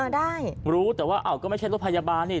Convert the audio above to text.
ได้รู้แต่ว่าไม่ใช่รถพยาบาลนี่